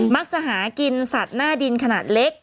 มักจะหากินสัตว์หน้าดินขนาดเล็ก